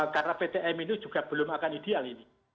karena ptm ini juga belum akan ideal ini